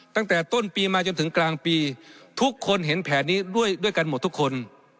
ตั้งแต่ต้นปีมาจนถึงกลางปีทุกคนเห็นแผนนี้ด้วยด้วยกันหมดทุกคน